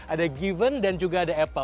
ada given dan juga ada apple